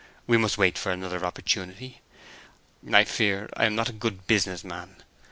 We must wait for another opportunity. I fear I am not a good business man."